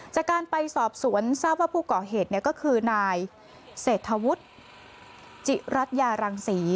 จากการไปสอบสวนทราบว่าผู้ก่อเหตุก็คือนายเศรษฐวุฒิจิรัชยารังศรี